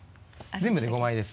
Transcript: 全部で５枚です。